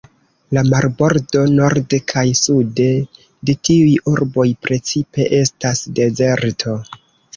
La marbordo norde kaj sude de tiuj urboj precipe estas dezerto.